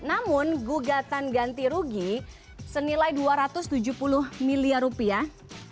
namun gugatan ganti rugi senilai dua ratus tujuh puluh miliar rupiah